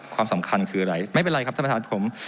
ความสำคัญคืออะไรไม่เป็นไรครับท่านประธานผม